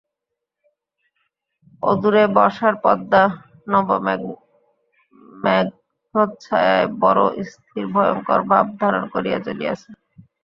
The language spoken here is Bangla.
অদূরে বর্ষার পদ্মা নবমেঘচ্ছায়ায় বড়ো স্থির ভয়ংকর ভাব ধারণ করিয়া চলিয়াছে।